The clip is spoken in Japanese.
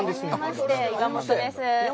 初めまして、岩本です。